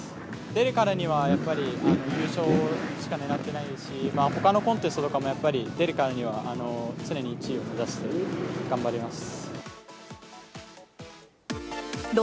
出るからにはやっぱり、優勝しか狙っていないですし、ほかのコンテストとかもやっぱり出るからには常に１位を目指して頑張ります。